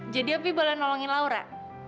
jadi opi boleh nolongin laura